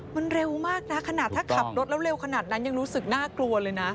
มันเร็วมากนะขนาดถ้าขับรถแล้วเร็วขนาดนั้นยังรู้สึกน่ากลัวเลยนะ